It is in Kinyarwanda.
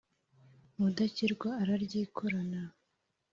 mudakirwa araryikorana